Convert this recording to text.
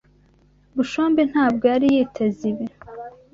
Bushombe ntabwo yari yiteze ibi.